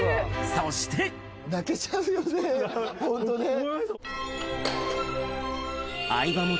そしてホントね。